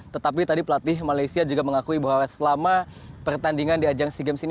tetapi tadi pelatih malaysia juga mengakui bahwa selama pertandingan di ajang sea games ini